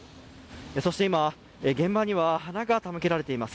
そして今、現場には花が手向けられています。